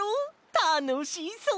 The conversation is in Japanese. たのしそう！